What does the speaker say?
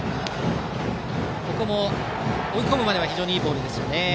ここも追い込むまでは非常にいいボールでした。